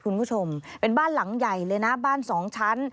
คุณผู้ชมเป็นบ้านหลังใหญ่เลยนะบ้านสองชั้น